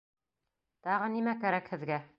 Тағы нимә кәрәк һеҙгә?